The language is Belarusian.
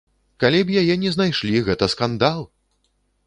Калі б яе не знайшлі, гэта скандал!